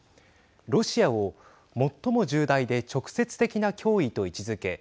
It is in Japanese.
ロシアを最も重大で直接的な脅威と位置づけ